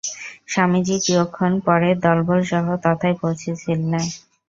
স্বামীজী কিয়ৎক্ষণ পরে দলবলসহ তথায় পৌঁছিলেন।